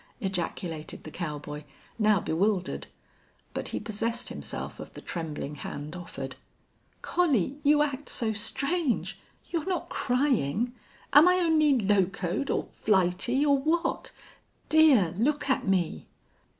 ejaculated the cowboy, now bewildered. But he possessed himself of the trembling hand offered. "Collie, you act so strange.... You're not crying!... Am I only locoed, or flighty, or what? Dear, look at me."